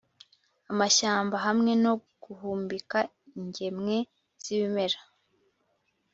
amashyamba hamwe no guhumbika ingemwe z’ibimera